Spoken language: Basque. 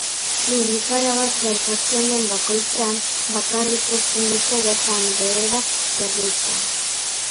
Lurrikara bat gertatzen den bakoitzean bakarrik uzten dute bertan behera zerbitzua.